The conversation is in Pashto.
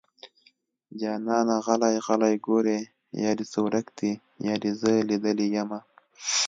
جانانه غلی غلی ګورې يا دې څه ورک دي يا دې زه ليدلې يمه